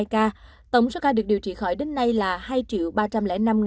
một trăm hai mươi hai ca tổng số ca được điều trị khỏi đến nay là hai ba trăm linh năm tám mươi một ca